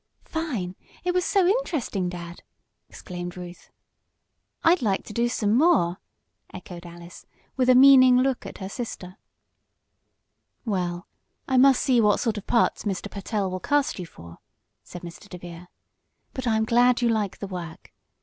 "Fine. It was so interesting, Dad!" exclaimed Ruth. "I'd like to do some more!" echoed Alice, with a meaning look at her sister. "Well, I must see what sort of parts Mr. Pertell will cast you for," said Mr. DeVere. "But I am glad you like the work.